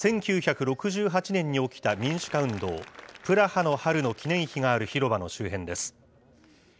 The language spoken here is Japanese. １９６８年に起きた民主化運動、プラハの春の記念碑がある広場の周辺です。